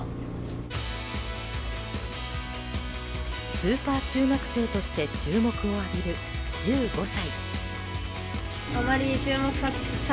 スーパー中学生として注目を浴びる１５歳。